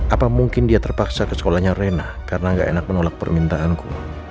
apa mungkin dia terpaksa ke sekolahnya rena karena gak enak menolak permintaanku